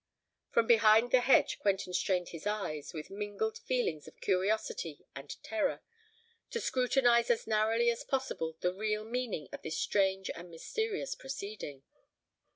From behind the hedge Quentin strained his eyes, with mingled feelings of curiosity and terror, to scrutinise as narrowly as possible the real meaning of this strange and mysterious proceeding.